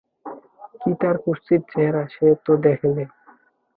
কী তার কুৎসিত চেহারা সে তো দেখিলে!